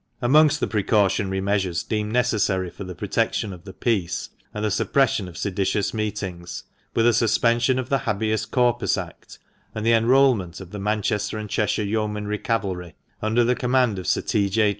Amongst the precautionary measures deemed necessary for the protection of the peace, and the suppression of seditious meetings, were the suspension of the Habeas Corpus Act, and the enrolment of the Manchester and Cheshire Yeomanry Cavalry, under the command of Sir T. J.